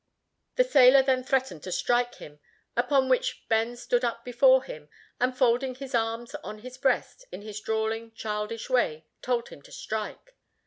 The sailor then threatened to strike him; upon which Ben stood up before him, and folding his arms on his breast, in his drawling, childish way, told him to strike.